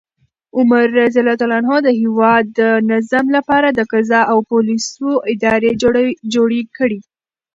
عمر رض د هیواد د نظم لپاره د قضا او پولیسو ادارې جوړې کړې.